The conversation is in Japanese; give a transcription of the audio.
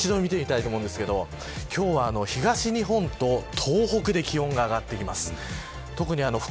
もう一度見てみたいと思うんですけど今日は東日本と東北で気温が上がってきます。